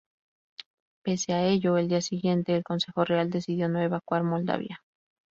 Pese a ello, al día siguiente, el consejo real decidió no evacuar Moldavia.